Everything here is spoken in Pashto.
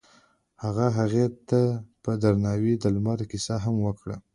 هغه هغې ته په درناوي د لمر کیسه هم وکړه.